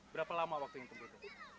berapa lama waktu yang terlalu